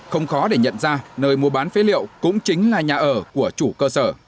không khó để nhận ra nơi mua bán phế liệu cũng chính là nhà ở của chủ cơ sở